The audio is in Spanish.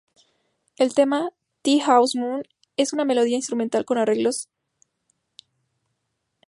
El tema "Tea-House Moon" es una melodía instrumental con arreglos en sintetizador.